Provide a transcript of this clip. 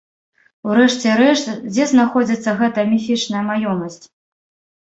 У рэшце рэшт, дзе знаходзіцца гэтая міфічная маёмасць?